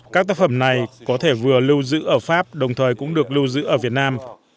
các tác phẩm này có thể vừa lưu giữ ở pháp đồng thời cũng được lưu giữ ở việt nam